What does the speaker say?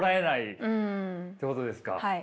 はい。